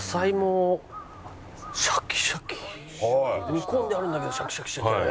煮込んであるんだけどシャキシャキしててね。